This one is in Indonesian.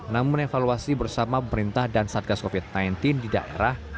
namun evaluasi bersama pemerintah dan satgas covid sembilan belas di daerah